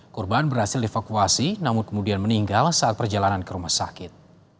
korban berhasil dievakuasi namun kemudian meninggal saat perjalanan ke rumah sakit